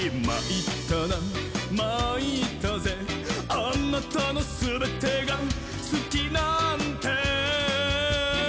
「あなたのすべてがすきなんて」